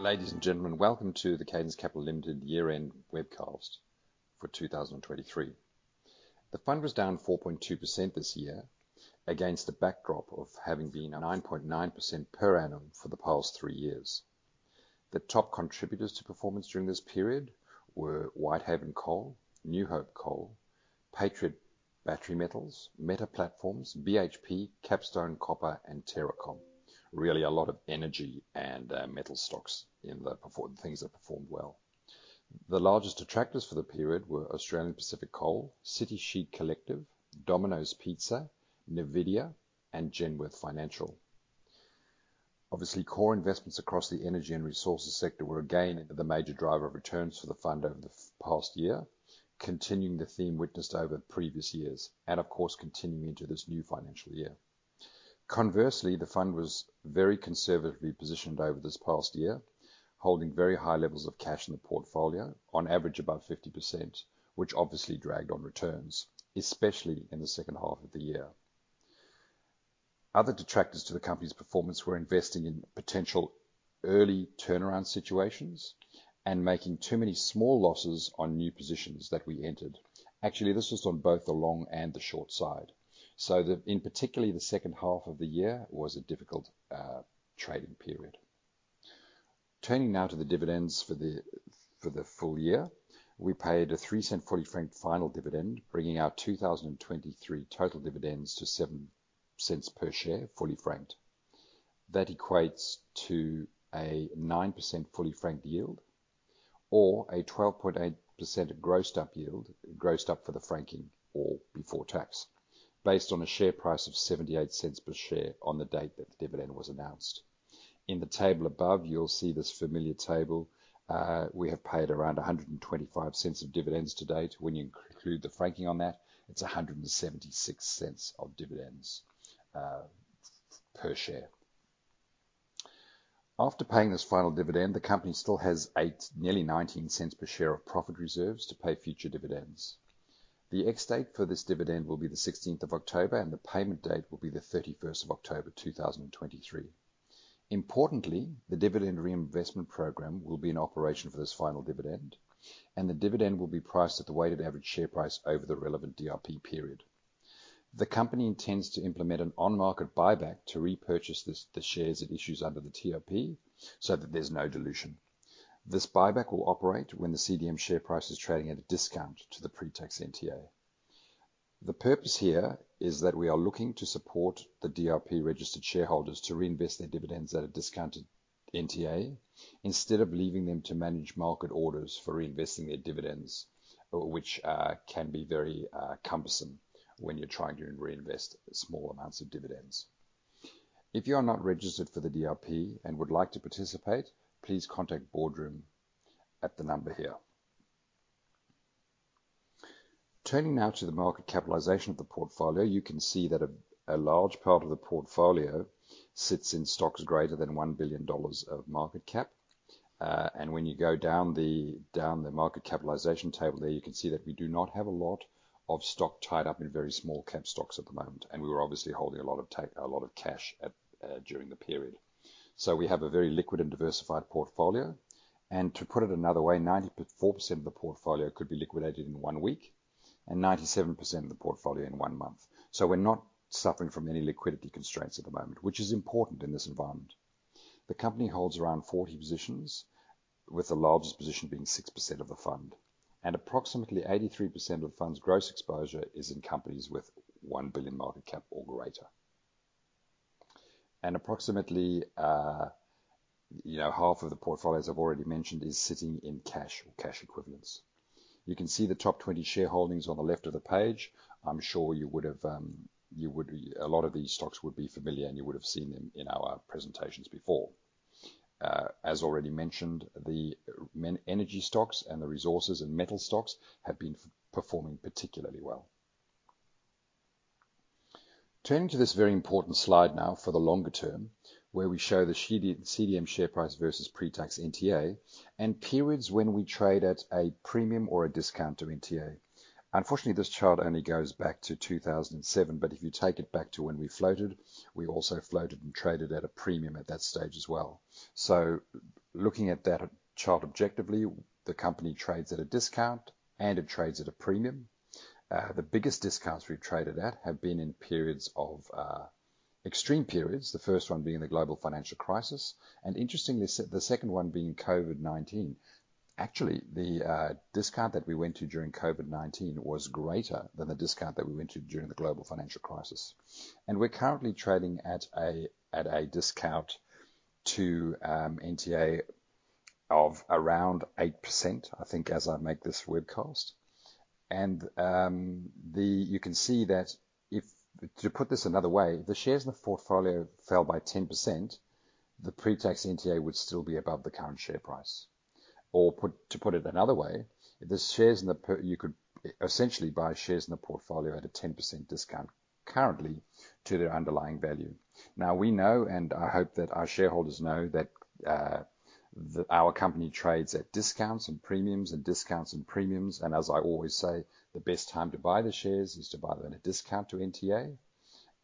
Ladies and gentlemen, welcome to the Cadence Capital year-end webcast for 2023. The fund was down 4.2% this year, against a backdrop of having been at 9.9% per annum for the past three years. The top contributors to performance during this period were Whitehaven Coal, New Hope Coal, Patriot Battery Metals, Meta Platforms, BHP, Capstone Copper, and TerraCom. Really, a lot of energy and metal stocks in the performing things that performed well. The largest detractors for the period were Australian Pacific Coal, City Chic Collective, Domino's Pizza, NVIDIA, and Genworth Financial. Obviously, core investments across the energy and resources sector were again the major driver of returns for the fund over the past year, continuing the theme witnessed over previous years, and of course, continuing into this new financial year. Conversely, the fund was very conservatively positioned over this past year, holding very high levels of cash in the portfolio, on average above 50%, which obviously dragged on returns, especially in the second half of the year. Other detractors to the company's performance were investing in potential early turnaround situations and making too many small losses on new positions that we entered. Actually, this was on both the long and the short side, so in particular, the second half of the year was a difficult trading period. Turning now to the dividends for the full year, we paid a 0.03 fully franked final dividend, bringing our 2023 total dividends to 0.07 per share, fully franked. That equates to a 9% fully franked yield or a 12.8% grossed up yield, grossed up for the franking or before tax, based on a share price of 0.78 per share on the date that the dividend was announced. In the table above, you'll see this familiar table. We have paid around 1.25 of dividends to date. When you include the franking on that, it's 1.76 of dividends per share. After paying this final dividend, the company still has nearly 0.19 per share of profit reserves to pay future dividends. The ex-date for this dividend will be the 16th of October, and the payment date will be the 31st of October 2023. Importantly, the dividend reinvestment program will be in operation for this final dividend, and the dividend will be priced at the weighted average share price over the relevant DRP period. The company intends to implement an on-market buyback to repurchase the shares it issues under the TIP so that there's no dilution. This buyback will operate when the CDM share price is trading at a discount to the pre-tax NTA. The purpose here is that we are looking to support the DRP-registered shareholders to reinvest their dividends at a discounted NTA, instead of leaving them to manage market orders for reinvesting their dividends, which can be very cumbersome when you're trying to reinvest small amounts of dividends. If you are not registered for the DRP and would like to participate, please contact Boardroom at the number here. Turning now to the market capitalization of the portfolio, you can see that a large part of the portfolio sits in stocks greater than 1 billion dollars of market cap. And when you go down the market capitalization table there, you can see that we do not have a lot of stock tied up in very small-cap stocks at the moment, and we were obviously holding a lot of cash at during the period. So we have a very liquid and diversified portfolio, and to put it another way, 94% of the portfolio could be liquidated in one week and 97% of the portfolio in one month. So we're not suffering from any liquidity constraints at the moment, which is important in this environment. The company holds around 40 positions, with the largest position being 6% of the fund, and approximately 83% of the fund's gross exposure is in companies with 1 billion market cap or greater. Approximately, you know, half of the portfolio, as I've already mentioned, is sitting in cash or cash equivalents. You can see the top 20 shareholdings on the left of the page. I'm sure you would have. A lot of these stocks would be familiar, and you would have seen them in our presentations before. As already mentioned, the energy stocks and the resources and metal stocks have been performing particularly well. Turning to this very important slide now for the longer term, where we show the CDM share price versus pre-tax NTA, and periods when we trade at a premium or a discount to NTA. Unfortunately, this chart only goes back to 2007, but if you take it back to when we floated, we also floated and traded at a premium at that stage as well. So looking at that chart objectively, the company trades at a discount, and it trades at a premium. The biggest discounts we've traded at have been in periods of extreme periods, the first one being the Global Financial Crisis, and interestingly, the second one being COVID-19. Actually, the discount that we went to during COVID-19 was greater than the discount that we went to during the Global Financial Crisis. And we're currently trading at a, at a discount to NTA of around 8%, I think, as I make this webcast. And the you can see that if to put this another way, the shares in the portfolio fell by 10%, the pre-tax NTA would still be above the current share price. Or, to put it another way, the shares in the portfolio you could essentially buy shares in the portfolio at a 10% discount currently to their underlying value. Now, we know, and I hope that our shareholders know, that, the, our company trades at discounts and premiums, and discounts and premiums, and as I always say, the best time to buy the shares is to buy them at a discount to NTA,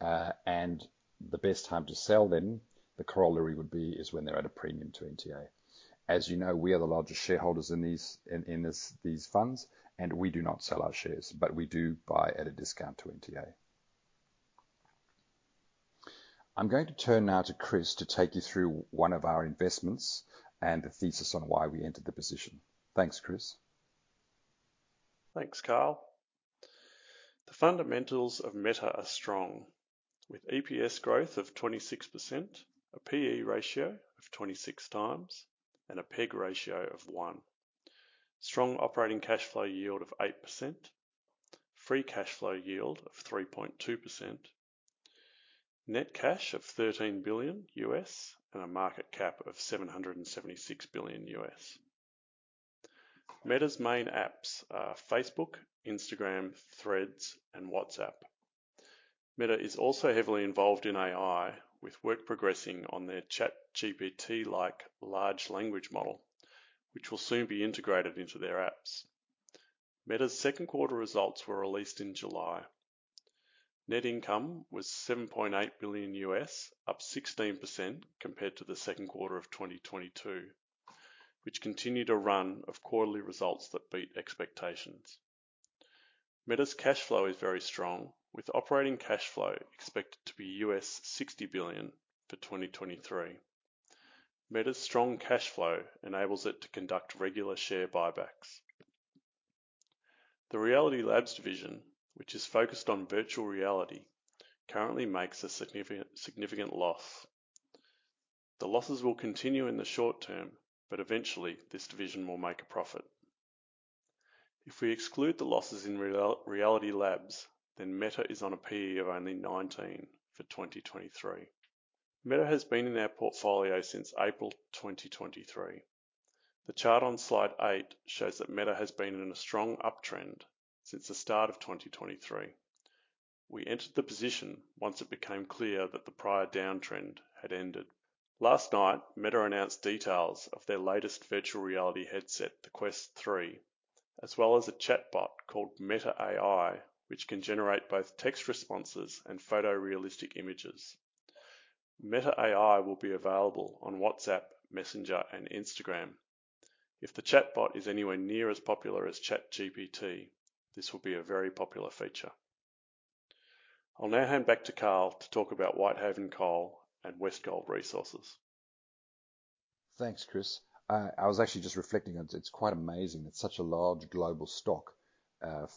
and the best time to sell then, the corollary would be, is when they're at a premium to NTA. As you know, we are the largest shareholders in these funds, and we do not sell our shares, but we do buy at a discount to NTA. I'm going to turn now to Chris to take you through one of our investments and the thesis on why we entered the position. Thanks, Chris. Thanks, Karl. The fundamentals of Meta are strong, with EPS growth of 26%, a P/E ratio of 26 times, and a PEG ratio of 1. Strong operating cash flow yield of 8%, free cash flow yield of 3.2%, net cash of $13 billion, and a market cap of $776 billion. Meta's main apps are Facebook, Instagram, Threads, and WhatsApp. Meta is also heavily involved in AI, with work progressing on their ChatGPT-like large language model, which will soon be integrated into their apps. Meta's second quarter results were released in July. Net income was $7.8 billion, up 16% compared to the second quarter of 2022, which continued a run of quarterly results that beat expectations. Meta's cash flow is very strong, with operating cash flow expected to be $60 billion for 2023. Meta's strong cash flow enables it to conduct regular share buybacks. The Reality Labs division, which is focused on virtual reality, currently makes a significant, significant loss. The losses will continue in the short term, but eventually, this division will make a profit. If we exclude the losses in Reality Labs, then Meta is on a P/E of only 19 for 2023. Meta has been in our portfolio since April 2023. The chart on slide 8 shows that Meta has been in a strong uptrend since the start of 2023. We entered the position once it became clear that the prior downtrend had ended. Last night, Meta announced details of their latest virtual reality headset, the Quest 3, as well as a chatbot called Meta AI, which can generate both text responses and photorealistic images. Meta AI will be available on WhatsApp, Messenger, and Instagram. If the chatbot is anywhere near as popular as ChatGPT, this will be a very popular feature. I'll now hand back to Karl to talk about Whitehaven Coal and Westgold Resources. Thanks, Chris. I was actually just reflecting, it's quite amazing that such a large global stock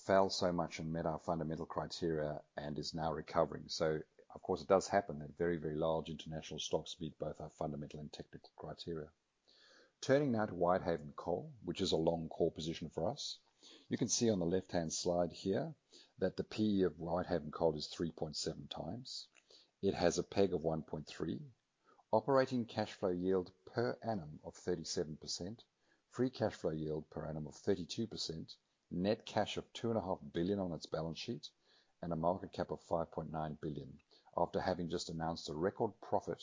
fell so much and met our fundamental criteria and is now recovering. So of course, it does happen that very, very large international stocks meet both our fundamental and technical criteria. Turning now to Whitehaven Coal, which is a long core position for us. You can see on the left-hand slide here that the P/E of Whitehaven Coal is 3.7 times. It has a PEG of 1.3, operating cash flow yield per annum of 37%, free cash flow yield per annum of 32%, net cash of 2.5 billion on its balance sheet, and a market cap of 5.9 billion, after having just announced a record profit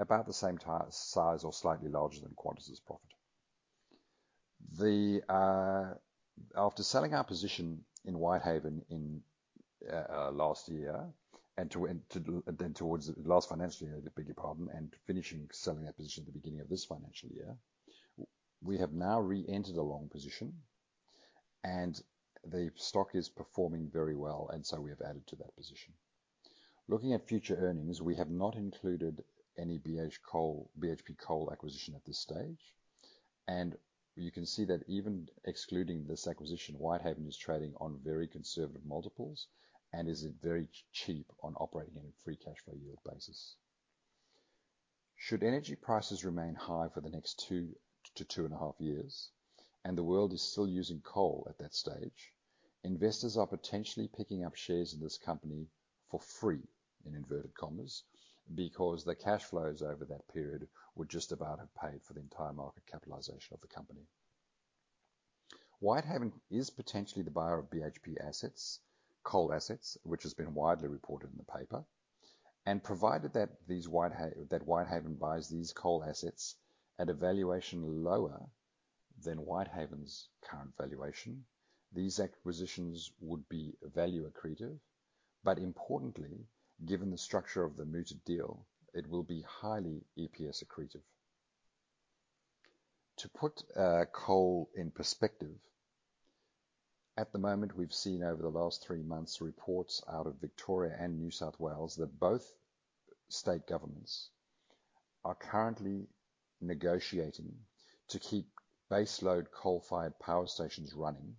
about the same size or slightly larger than Qantas's profit. The after selling our position in Whitehaven in last year, and then towards the last financial year, beg your pardon, and finishing selling that position at the beginning of this financial year, we have now reentered a long position, and the stock is performing very well, and so we have added to that position. Looking at future earnings, we have not included any BHP Coal acquisition at this stage, and you can see that even excluding this acquisition, Whitehaven is trading on very conservative multiples and is very cheap on operating in a free cash flow yield basis. Should energy prices remain high for the next 2-2.5 years, and the world is still using coal at that stage, investors are potentially picking up shares in this company for free, in inverted commas, because the cash flows over that period would just about have paid for the entire market capitalization of the company. Whitehaven is potentially the buyer of BHP assets, coal assets, which has been widely reported in the paper, and provided that that Whitehaven buys these coal assets at a valuation lower than Whitehaven's current valuation, these acquisitions would be value accretive, but importantly, given the structure of the mooted deal, it will be highly EPS accretive. To put coal in perspective, at the moment, we've seen over the last three months, reports out of Victoria and New South Wales, that both state governments are currently negotiating to keep baseload coal-fired power stations running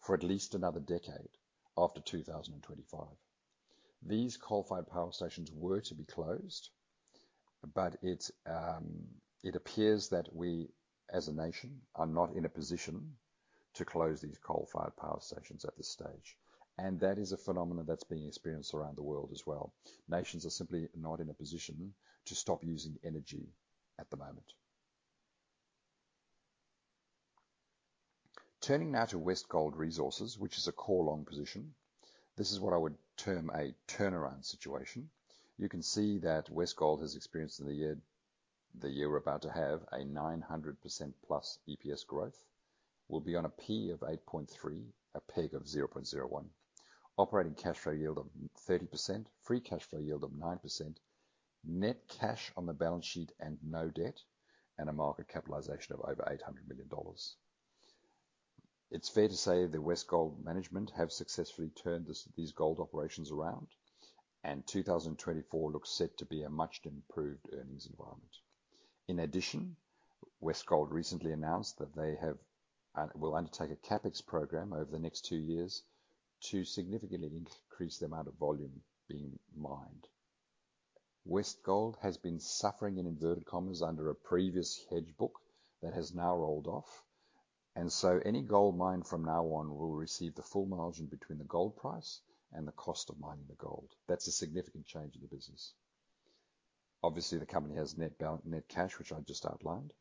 for at least another decade after 2025. These coal-fired power stations were to be closed, but it, it appears that we, as a nation, are not in a position to close these coal-fired power stations at this stage, and that is a phenomenon that's being experienced around the world as well. Nations are simply not in a position to stop using energy at the moment. Turning now to Westgold Resources, which is a core long position. This is what I would term a turnaround situation. You can see that Westgold has experienced in the year we're about to have a 900%+ EPS growth will be on a P/E of 8.3, a PEG of 0.01. Operating cash flow yield of 30%, free cash flow yield of 9%, net cash on the balance sheet and no debt, and a market capitalization of over 800 million dollars. It's fair to say the Westgold management have successfully turned this, these gold operations around, and 2024 looks set to be a much improved earnings environment. In addition, Westgold recently announced that they have will undertake a CapEx program over the next two years to significantly increase the amount of volume being mined. Westgold has been suffering, in inverted commas, under a previous hedge book that has now rolled off, and so any gold mine from now on will receive the full margin between the gold price and the cost of mining the gold. That's a significant change in the business. Obviously, the company has net cash, which I just outlined.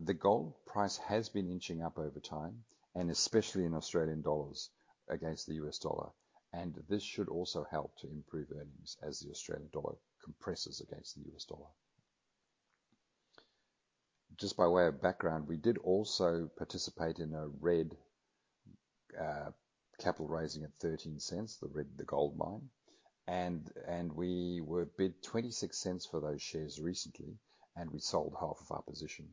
The gold price has been inching up over time, and especially in Australian dollars against the US dollar, and this should also help to improve earnings as the Australian dollar compresses against the US dollar. Just by way of background, we did also participate in a Red 5 capital raising at 0.13, the Red 5, the gold mine, and we were bid 0.26 for those shares recently, and we sold half of our position.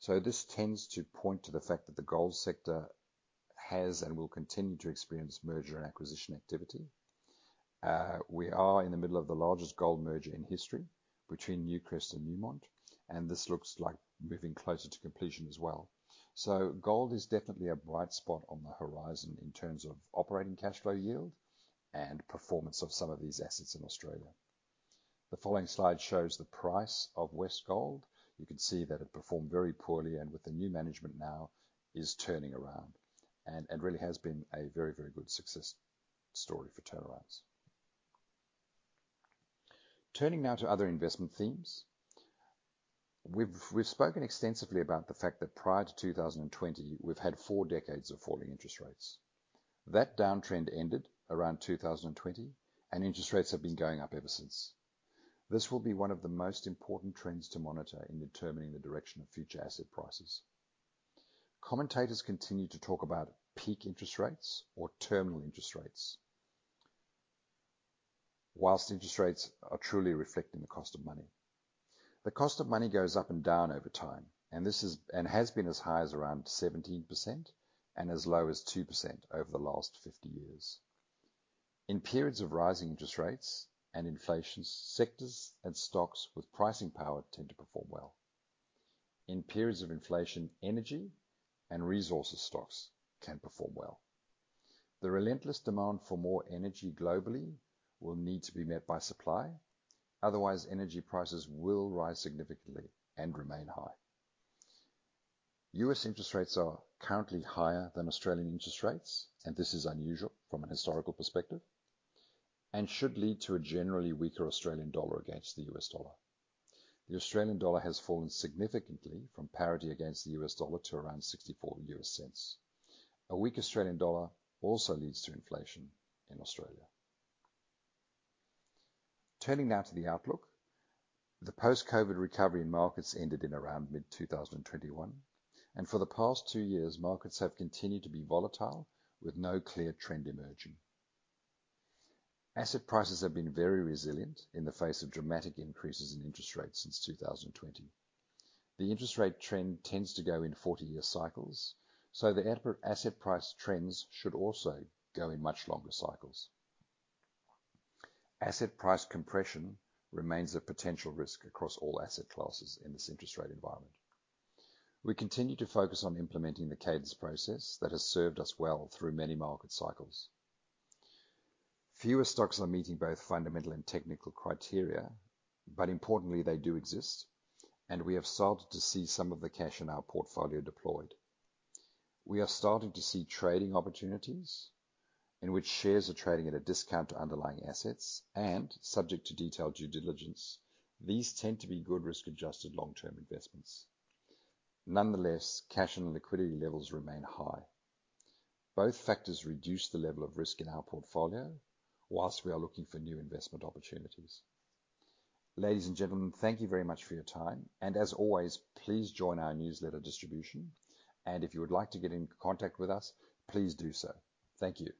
So this tends to point to the fact that the gold sector has and will continue to experience merger and acquisition activity. We are in the middle of the largest gold merger in history between Newcrest and Newmont, and this looks like moving closer to completion as well. So gold is definitely a bright spot on the horizon in terms of operating cash flow yield and performance of some of these assets in Australia. The following slide shows the price of Westgold. You can see that it performed very poorly and with the new management now is turning around and really has been a very, very good success story for turnarounds. Turning now to other investment themes. We've spoken extensively about the fact that prior to 2020, we've had four decades of falling interest rates. That downtrend ended around 2020, and interest rates have been going up ever since. This will be one of the most important trends to monitor in determining the direction of future asset prices. Commentators continue to talk about peak interest rates or terminal interest rates, whilst interest rates are truly reflecting the cost of money. The cost of money goes up and down over time, and this is, and has been as high as around 17% and as low as 2% over the last 50 years. In periods of rising interest rates and inflation, sectors and stocks with pricing power tend to perform well. In periods of inflation, energy and resources stocks can perform well. The relentless demand for more energy globally will need to be met by supply. Otherwise, energy prices will rise significantly and remain high. U.S. interest rates are currently higher than Australian interest rates, and this is unusual from a historical perspective and should lead to a generally weaker Australian dollar against the US dollar. The Australian dollar has fallen significantly from parity against the US dollar to around $0.64. A weak Australian dollar also leads to inflation in Australia. Turning now to the outlook. The post-COVID recovery in markets ended in around mid-2021, and for the past two years, markets have continued to be volatile, with no clear trend emerging. Asset prices have been very resilient in the face of dramatic increases in interest rates since 2020. The interest rate trend tends to go in 40-year cycles, so the asset price trends should also go in much longer cycles. Asset price compression remains a potential risk across all asset classes in this interest rate environment. We continue to focus on implementing the Cadence process that has served us well through many market cycles. Fewer stocks are meeting both fundamental and technical criteria, but importantly, they do exist, and we have started to see some of the cash in our portfolio deployed. We are starting to see trading opportunities in which shares are trading at a discount to underlying assets and subject to detailed due diligence. These tend to be good risk-adjusted long-term investments. Nonetheless, cash and liquidity levels remain high. Both factors reduce the level of risk in our portfolio while we are looking for new investment opportunities. Ladies and gentlemen, thank you very much for your time, and as always, please join our newsletter distribution, and if you would like to get in contact with us, please do so. Thank you.